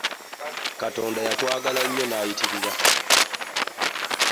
Katonda yatwagala nnyo nayitirira!